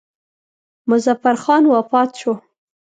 مظفر خان وفات شو.